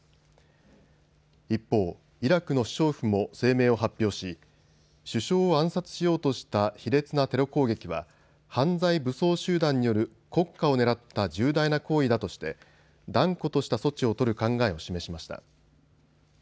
一方、イラクの首相府も声明を発表し首相を暗殺しようとした卑劣なテロ攻撃は犯罪武装集団による国家を狙った重大な行為だとして断固とした措置を取る考えを示しました。